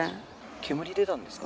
煙出たんですか？